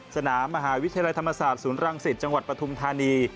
สนามมหาวิทยาลัยธรรมศาสตร์ศูนย์รังสิตจังหวัดปฐุมธานี